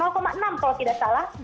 enam kalau tidak salah